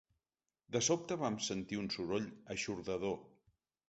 De sobte vam sentir un soroll eixordador.